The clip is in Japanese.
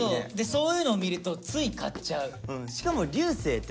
そういうのを見るとつい買っちゃう。